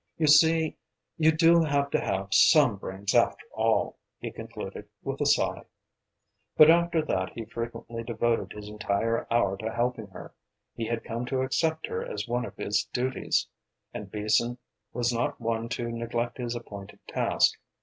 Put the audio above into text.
"You see you do have to have some brains after all," he concluded with a sigh. But after that he frequently devoted his entire hour to helping her. He had come to accept her as one of his duties, and Beason was not one to neglect his appointed task.